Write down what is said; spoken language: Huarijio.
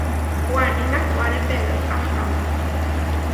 Waní nasuáre Pedró aháma.